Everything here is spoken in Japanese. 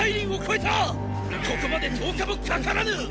ここまで十日もかからぬ！！